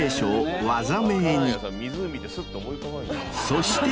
そして。